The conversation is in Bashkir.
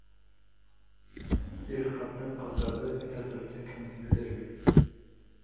Ир ҡатын-ҡыҙҙарҙы этә-төртә кемделер эҙләй.